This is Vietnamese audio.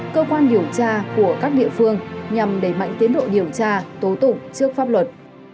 cơ quan điều tra của các địa phương nhằm đẩy mạnh tiến độ điều tra tố tụng trước pháp luật